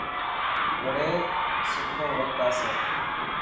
وڙي سکو وقت آسي.